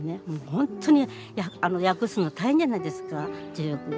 ほんとに訳すの大変じゃないですか中国語。